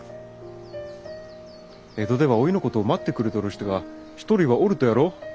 江戸ではおいのことを待ってくれとる人が１人はおるとやろ？